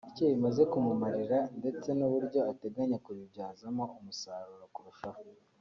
icyo bimaze kumumarirra ndetse n’uburyo ateganya kubibyazamo umusaruro kurushaho